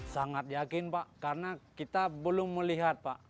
sangat yakin pak karena kita belum melihat pak